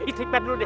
istighfar dulu deh